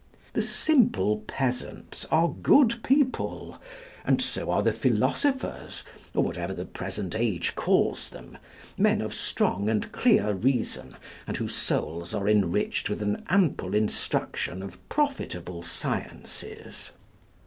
The simple peasants are good people, and so are the philosophers, or whatever the present age calls them, men of strong and clear reason, and whose souls are enriched with an ample instruction of profitable sciences.